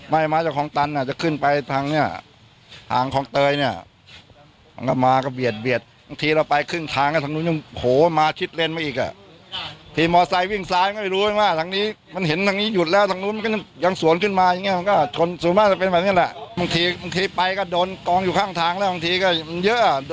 ไปก็โดนกองอยู่ข้างทางแล้วบางทีก็เยอะอะโดนบ่อย